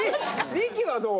ミキはどう？